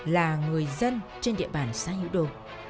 là người dân trên địa bàn xác hữu đồ